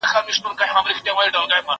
له کومو عناصرو جوړ شوی دی.